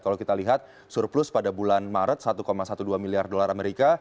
kalau kita lihat surplus pada bulan maret satu dua belas miliar dolar amerika